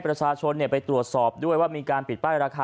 ประชาชนไปตรวจสอบด้วยว่ามีการปิดป้ายราคา